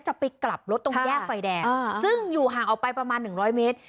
จะไปกลับรถตรงแยกไฟแดงซึ่งอยู่ห่างออกไปประมาณหนึ่งร้อยเมตร